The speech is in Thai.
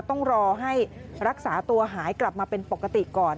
ต้องรอให้รักษาตัวหายกลับมาเป็นปกติก่อน